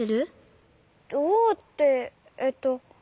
どうってえっと。